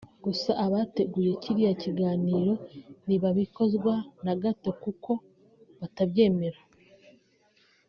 gusa abateguye kiriya kiganiro ntibabikozwa na gato kuko batabyemera